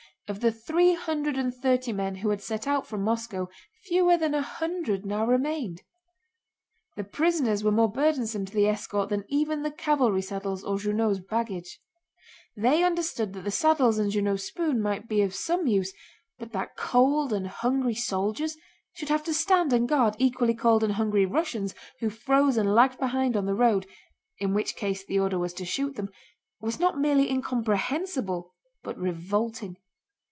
Of the three hundred and thirty men who had set out from Moscow fewer than a hundred now remained. The prisoners were more burdensome to the escort than even the cavalry saddles or Junot's baggage. They understood that the saddles and Junot's spoon might be of some use, but that cold and hungry soldiers should have to stand and guard equally cold and hungry Russians who froze and lagged behind on the road (in which case the order was to shoot them) was not merely incomprehensible but revolting.